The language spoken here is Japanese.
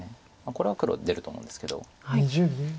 これは黒出ると思うんですけど。